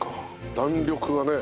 弾力がね。